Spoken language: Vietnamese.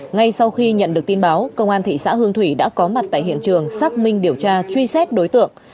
ngay sau khi nhận được tin báo công an thị xã hương thủy đã có mặt tại hiện trường xác minh điều tra truy xét đối tượng